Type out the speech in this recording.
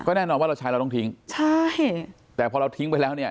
แน่นอนว่าเราใช้เราต้องทิ้งใช่แต่พอเราทิ้งไปแล้วเนี่ย